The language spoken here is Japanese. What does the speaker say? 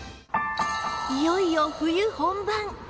いよいよ冬本番